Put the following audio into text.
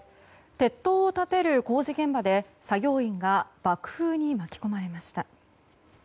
鉄塔を建てる工事現場で作業員が爆風に巻き込まれました。